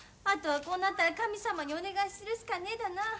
あとはこうなったら神様にお願いするしかねえだな。